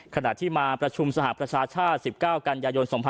ขณะที่มาประชุมสหรัฐประชาชา๑๙กย๒๕๔๙